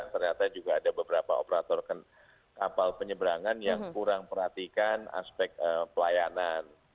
ternyata juga ada beberapa operator kapal penyeberangan yang kurang perhatikan aspek pelayanan